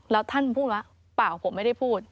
แล้วท่านพูดว่าเปล่าผมไม่ได้พูด